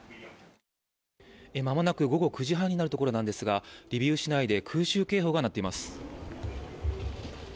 間もなく午後９時半になるところですが、リビウ市内で空襲警報が鳴っています。